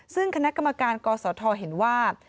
ซึ่งคณะกรรมการกศธเห็นว่า